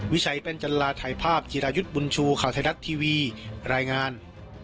วิชัยแป้นจันลาถ่ายภาพจิรายุทธ์บุญชูข่าวไทยรัฐทีวีรายงาน